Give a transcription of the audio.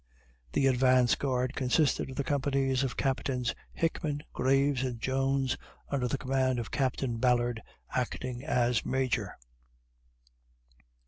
The advance guard consisted of the companies of Captains Hickman, Graves, and Jones, under the command of Captain Ballard, acting as Major.